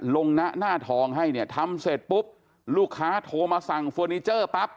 ลงหน้าหน้าทองให้เนี่ยทำเสร็จปุ๊บลูกค้าโทรมาสั่งเฟอร์นิเจอร์ปั๊บ